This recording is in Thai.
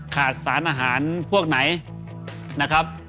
ขาดสารอาหารพวกไหนนะครับ